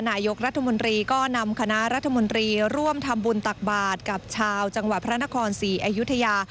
นายกรัฐมนตรีก็นำคณะรัฐมนตรีร่วมทำบุญตักบาทกับชาวจังหวัดพระนครศรีอยุธยา